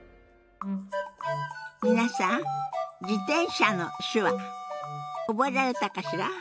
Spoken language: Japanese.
皆さん「自転車」の手話覚えられたかしら？